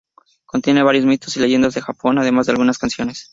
Contiene varios mitos y leyendas de Japón, además de algunas canciones.